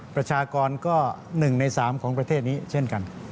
ประชากรก็๑ใน๓ของประเทศนี้เช่นกัน